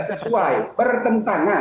tidak sesuai bertentangan